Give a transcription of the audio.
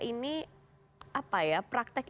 ini apa ya praktek